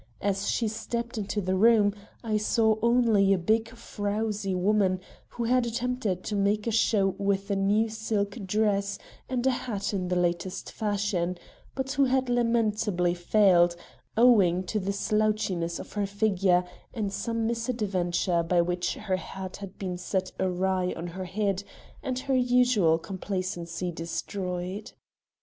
As she stepped into the room, I saw only a big frowsy woman, who had attempted to make a show with a new silk dress and a hat in the latest fashion, but who had lamentably failed, owing to the slouchiness of her figure and some misadventure by which her hat had been set awry on her head and her usual complacency destroyed.